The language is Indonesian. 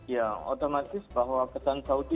ya otomatis bahwa kesan saudi